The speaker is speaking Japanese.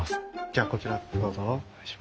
じゃあこちらどうぞ。